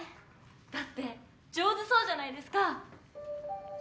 だって上手そうじゃないですか。